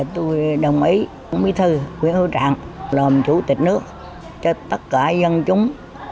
tôi đồng ý với bí thư nguyễn phú trọng làm chủ tịch nước cho tất cả dân chúng